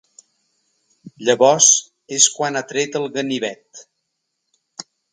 Llavors és quan ha tret el ganivet.